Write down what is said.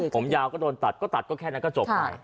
ผมยาวก็โดนตัดก็ตัดก็แค่นั้นก็จบไป